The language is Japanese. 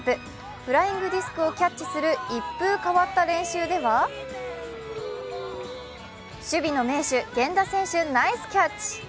フライングディスクをキャッチする一風変わった練習では守備の名手・源田選手がナイスキャッチ。